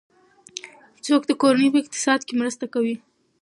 څوک د کورنۍ په اقتصاد کې مرسته کوي؟